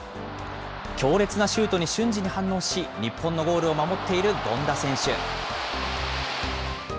強烈なシュートに瞬時に反応し、日本のゴールを守っている権田選手。